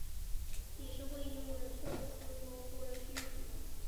理事会因为措辞模糊而拒绝。